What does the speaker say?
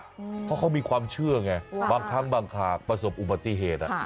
เพราะเขามีความเชื่อไงบางครั้งบางขากประสบอุบัติเหตุ